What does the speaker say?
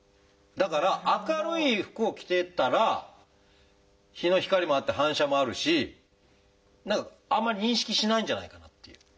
だから明るい服を着てたら日の光もあって反射もあるし何かあんまり認識しないんじゃないかなっていう。